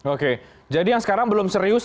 oke jadi yang sekarang belum serius